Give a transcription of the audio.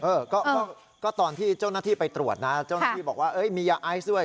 เออก็ตอนที่เจ้าหน้าที่ไปตรวจนะเจ้าหน้าที่บอกว่ามียาไอซ์ด้วย